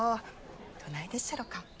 どないでっしゃろか？